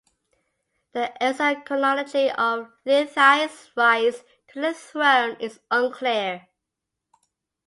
The exact chronology of Lithai's rise to the throne is unclear.